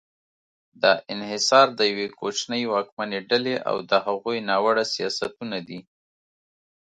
دا انحصار د یوې کوچنۍ واکمنې ډلې او د هغوی ناوړه سیاستونه دي.